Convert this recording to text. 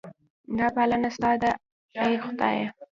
دا پالنه ستا ده ای خدایه.